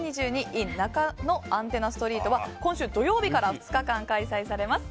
ｉｎなかのアンテナストリートは今週土曜日から２日間開催されます。